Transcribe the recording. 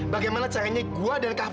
bagaimana caranya gue